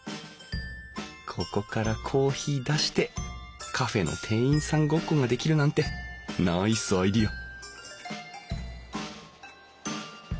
ここからコーヒー出してカフェの店員さんごっこができるなんてナイスアイデア！